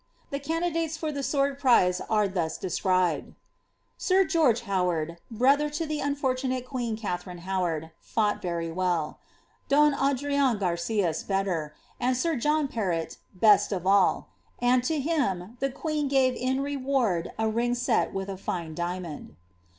The candidates for the sword prize are thus described :^ Sir George Howard (brother to the unfortunate queen Katharine Howard) fought reiy well ; don Adrian Garcias better ; and sir John Perrot best of all ; iod to him the queen gave in reward a ring set with a fine diamond."